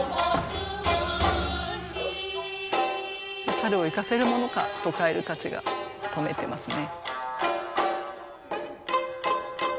猿を行かせるものかと蛙たちが止めてますね。